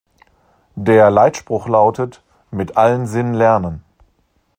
Der Leitspruch lautet „Mit allen Sinnen lernen“.